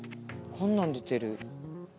こんなん出てる。